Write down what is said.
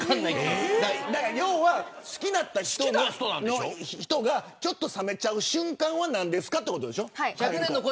要は好きだった人に対して冷めちゃう瞬間は何ですかということでしょ。